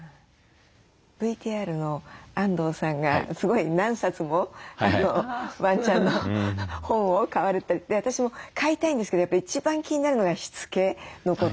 ＶＴＲの安藤さんがすごい何冊もワンちゃんの本を買われてて私も飼いたいんですけど一番気になるのがしつけのこと。